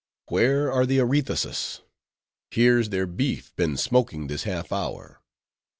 "Where are the _Arethusas?—_Here's their beef been smoking this half hour."